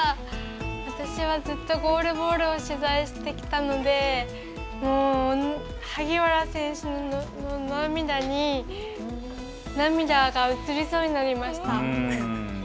私はずっとゴールボールを取材してきたのでもう萩原選手の涙に涙が移りそうになりました。